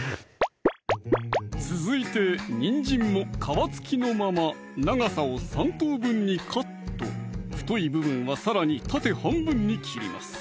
続いてにんじんも皮付きのまま長さを３等分にカット太い部分はさらに縦半分に切ります